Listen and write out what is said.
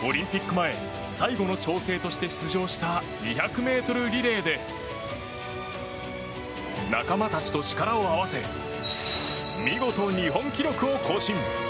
前最後の調整として出場した２００ｍリレーで仲間たちと力を合わせ見事、日本記録を更新。